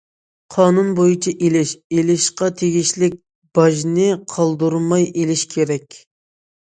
قانۇن بويىچە ئېلىش، ئېلىشقا تېگىشلىك باجنى قالدۇرماي ئېلىش كېرەك.